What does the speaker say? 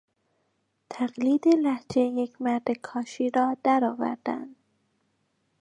تقلید لهجهی یک مرد کاشی را درآوردن